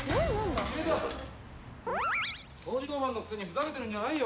掃除当番のくせにふざけてるんじゃないよ。